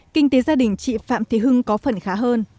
kinh tế gia đình chị phạm thế hưng có phần khá hơn